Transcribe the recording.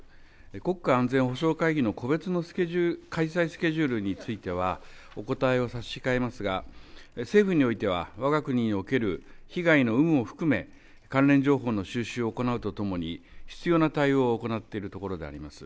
国家安全保障会議の個別の開催スケジュールについては、お答えを差し控えますが、政府においては、わが国における被害の有無を含め、関連情報の収集を行うとともに、必要な対応を行っているところであります。